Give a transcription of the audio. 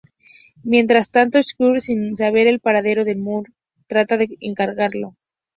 Mientras tanto, Scully, sin saber el paradero de Mulder, trata de encontrarlo.